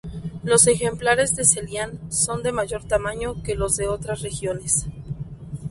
Los ejemplares de Ceilán son de mayor tamaño que los de otras regiones.